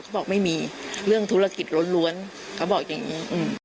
บอกไม่มีเรื่องธุรกิจล้วนเขาบอกอย่างนี้